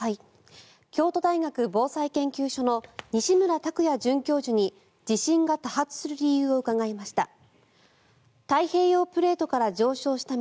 京都大学防災研究所の西村卓也准教授に地震が多発する理由を伺いました。